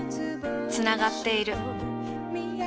つながっている。